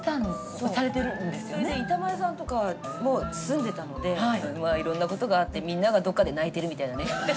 それで板前さんとかも住んでたのでいろんなことがあってみんながどっかで泣いてるみたいなね。